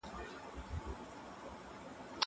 که وخت وي، شګه پاکوم!